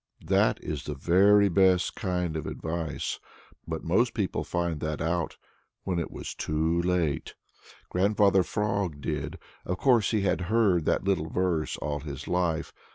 That is the very best kind of advice, but most people find that out when it is too late. Grandfather Frog did. Of course he had heard that little verse all his life.